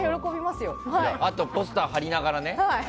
ポスター貼りながらね。